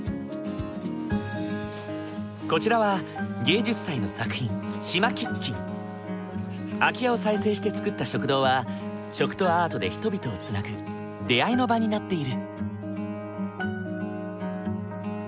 こちらは芸術祭の作品空き家を再生して作った食堂は食とアートで人々をつなぐ出会いの場になっている。